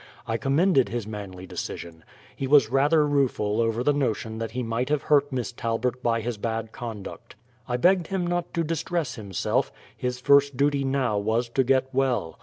I commended his manly decision. He was rather rueful over the notion that he might have hurt Miss Talbert by his bad conduct. I begged him not to distress himself, his first duty now was to get well.